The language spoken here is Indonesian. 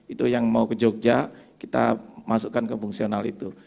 itu yang mau ke jogja kita masukkan ke fungsional itu